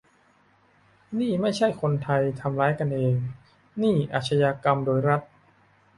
"นี่ไม่ใช่คนไทยทำร้ายกันเอง นี่อาชญากรรมโดยรัฐ"